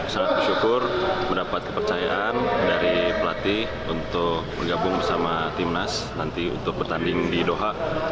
sangat bersyukur mendapat kepercayaan dari pelatih untuk bergabung bersama timnas nanti untuk bertanding di doha